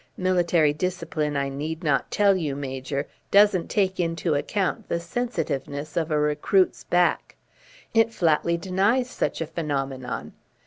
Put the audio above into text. Military discipline, I need not tell you, Major, doesn't take into account the sensitiveness of a recruit's back. It flatly denies such a phenomenon.